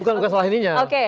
bukan salah ininya